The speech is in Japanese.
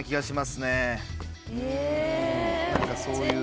何かそういう。